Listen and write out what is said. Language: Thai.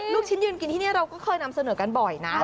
ลูกชิ้นยืนกินที่นี่เราก็เคยนำเสนอกันบ่อยนะ